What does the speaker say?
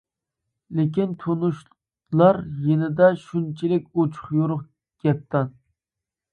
لېكىن تونۇشلار يېنىدا شۇنچىلىك ئوچۇق-يورۇق، گەپدان.